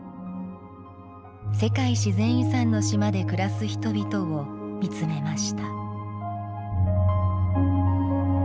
世界自然遺産の島で暮らす人々を見つめました。